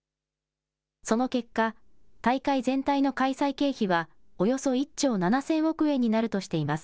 その結果、大会全体の開催経費はおよそ１兆７０００億円になるとしています。